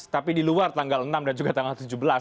tapi di luar tanggal enam dan juga tanggal tujuh belas